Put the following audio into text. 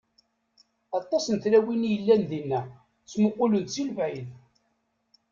Aṭas n tlawin i yellan dinna, ttmuqulent si lebɛid.